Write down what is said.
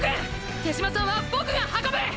手嶋さんはボクが運ぶ！！